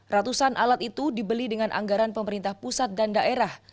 ratusan alat itu dibeli dengan anggaran pemerintah pusat dan daerah